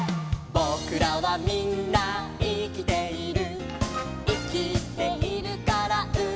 「ぼくらはみんないきている」